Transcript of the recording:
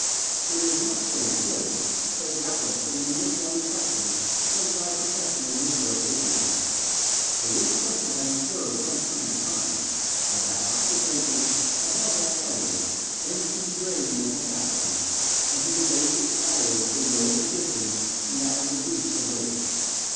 It is not so recorded; but doubtless the nameless one in question was by profession a maker of opium pipes, for this person has observed from time to time how that occupation, above all others, tends to degrade the mental faculties, and to debase its followers to a lower position than that of the beasts of labour.